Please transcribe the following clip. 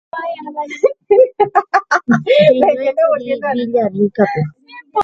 Heñóikuri Villarrica-pe